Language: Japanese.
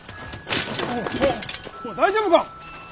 おおおい大丈夫か？